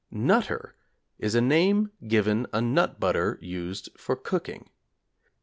'Nutter' is a name given a nut butter used for cooking.